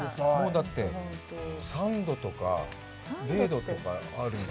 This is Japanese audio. だって３度とか、０度とかあるんだもんね。